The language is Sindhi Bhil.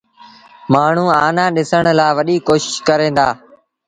مآڻهوٚݩ آنآ ڏسڻ لآ وڏيٚ ڪوشيٚش ڪريݩ دآ۔